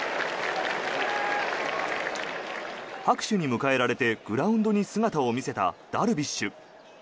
拍手に迎えられてグラウンドに姿を見せたダルビッシュ。